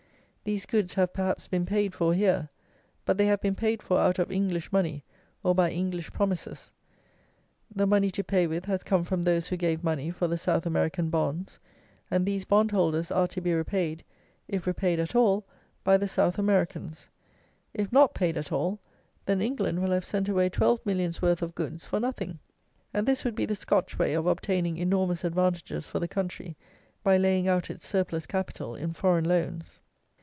These goods have perhaps been paid for here, but they have been paid for out of English money or by English promises. The money to pay with has come from those who gave money for the South American bonds, and these bond holders are to be repaid, if repaid at all, by the South Americans. If not paid at all, then England will have sent away twelve millions worth of goods for nothing; and this would be the Scotch way of obtaining enormous advantages for the country by laying out its "surplus capital" in foreign loans.